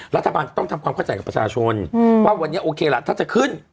รัฐบาลต้องทำความเข้าใจกับประชาชนว่าวันนี้โอเคล่ะถ้าจะขึ้น